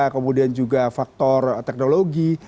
kemudian juga faktor teknologi